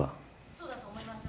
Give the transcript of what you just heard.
そうだと思います。